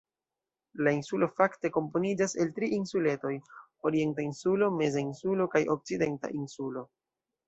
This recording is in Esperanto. La insulo fakte komponiĝas el tri insuletoj: Orienta Insulo, Meza Insulo kaj Okcidenta Insulo.